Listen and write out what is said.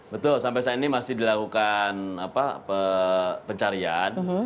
betul sampai saat ini masih dilakukan pencarian